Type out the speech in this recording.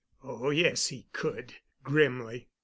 "Oh, yes, he could," grimly.